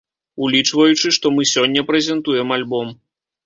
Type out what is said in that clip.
Улічваючы, што мы сёння прэзентуем альбом.